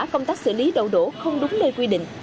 công tác xử lý đậu đổ không đúng nơi quy định